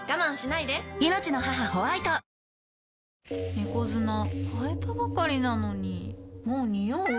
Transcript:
猫砂替えたばかりなのにもうニオう？